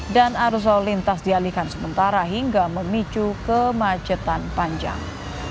dan arusol lintas dialihkan sementara hingga memicu ke macetan panjang